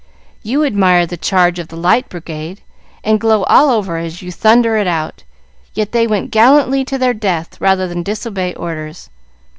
"You admire 'The Charge of the Light Brigade,' and glow all over as you thunder it out. Yet they went gallantly to their death rather than disobey orders.